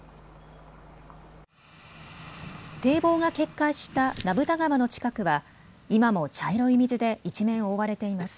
堤防が決壊した名蓋川の近くは今も茶色い水で一面、覆われています。